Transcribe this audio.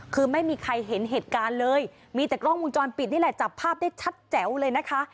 คือไม่มีใครเห็นเหตุการณ์เลยมีแต่กล้องวงจรปิดนี่แหละจับภาพได้ชัดแจ๋วเลยนะคะ